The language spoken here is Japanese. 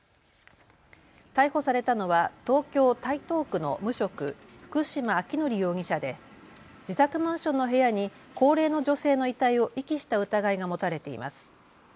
逮捕されたのは東京台東区の無職、福島昭則容疑者で自宅マンションの部屋に高齢の女性の遺体を遺棄した疑いが持たれています。